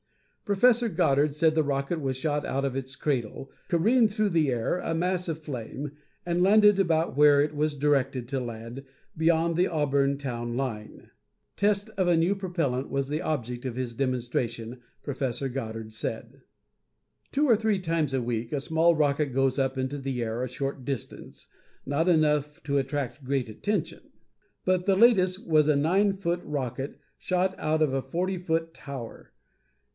Prof. Goddard said the rocket was shot out of its cradle, careened through the air a mass of flame, and landed about where it was directed to land, beyond the Auburn town line. Test of a new propellant was the object of his demonstration, Prof. Goddard said. Two or three times a week a small rocket goes up into the air a short distance, not enough to attract great attention. But the latest was a nine foot rocket, shot out of a forty foot tower.